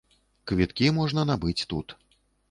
Квіткі можна набыць тут.